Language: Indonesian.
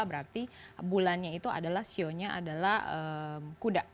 berarti bulannya itu adalah sionya adalah kuda